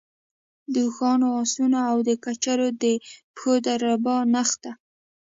د اوښانو، آسونو او د کچرو د پښو دربا نه خته.